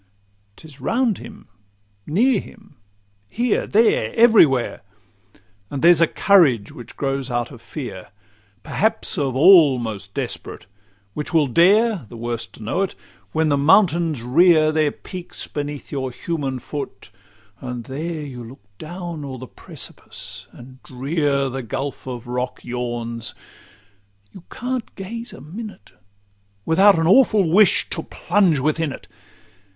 'Tis round him, near him, here, there, every where; And there's a courage which grows out of fear, Perhaps of all most desperate, which will dare The worst to know it:—when the mountains rear Their peaks beneath your human foot, and there You look down o'er the precipice, and drear The gulf of rock yawns,—you can't gaze a minute Without an awful wish to plunge within it.